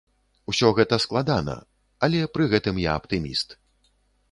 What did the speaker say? Усё гэта складана, але пры гэтым я аптыміст.